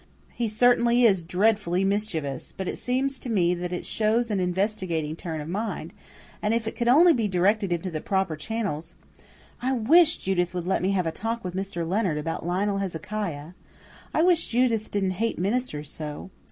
He certainly is dreadfully mischievous; but it seems to me that it shows an investigating turn of mind, and if it could only be directed into the proper channels I wish Judith would let me have a talk with Mr. Leonard about Lionel Hezekiah. I wish Judith didn't hate ministers so.